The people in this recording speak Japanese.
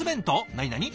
なになに。